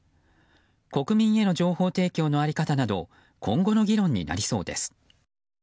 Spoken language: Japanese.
国民への情報提供の在り方など今後の議論になりそうです。